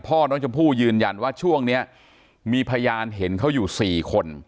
พ่อน้องชมพู่ยืนยันว่าช่วงนี้มีพยานเห็นเขาอยู่๔คน